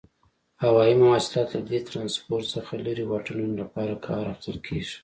هوایي مواصلات له دې ترانسپورت څخه لري واټنونو لپاره کار اخیستل کیږي.